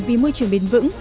vì môi trường bền vững